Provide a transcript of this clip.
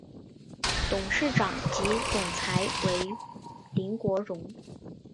董事长及总裁为林国荣。